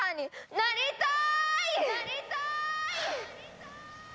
「なりたい」。